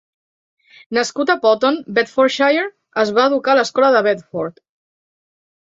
Nascut a Potton, Bedfordshire, es va educar a l'escola de Bedford.